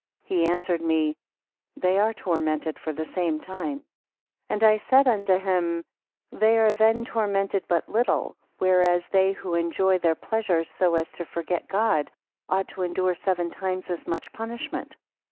He answered me; they are tormented for the same time. 29 And I said unto him; They are then tormented but little; whereas they who enjoy their pleasures so as to forget God, ought to endure seven times as much punishment.